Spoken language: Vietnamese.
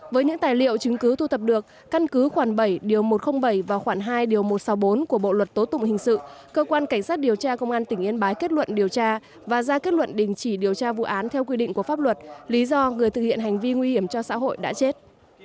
với những tài liệu chứng cứ thu thập được căn cứ khoảng bảy một trăm linh bảy và khoản hai điều một trăm sáu mươi bốn của bộ luật tố tụng hình sự cơ quan cảnh sát điều tra công an tỉnh yên bái kết luận điều tra và ra kết luận đình chỉ điều tra vụ án theo quy định của pháp luật lý do người thực hiện hành vi nguy hiểm cho xã hội đã chết